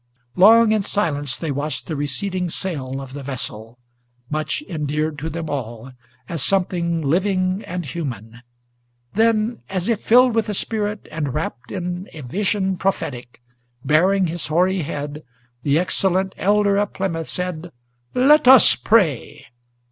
Long in silence they watched the receding sail of the vessel, Much endeared to them all, as something living and human; Then, as if filled with the spirit, and wrapt in a vision prophetic, Baring his hoary head, the excellent Elder of Plymouth Said, "Let us pray!"